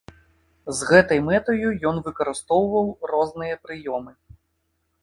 З гэтай мэтаю ён выкарыстоўваў розныя прыёмы.